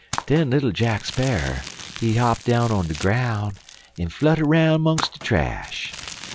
Den little Jack Sparrer, he hop down on de groun' en flutter 'roun' 'mongst de trash.